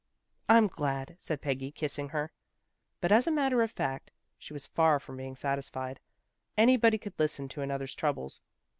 " I'm glad," said Peggy, kissing her. But, as a matter of fact, she was far from being satis fied. Anybody could listen to another's troubles.